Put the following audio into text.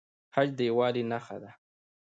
حج د یووالي نښه ده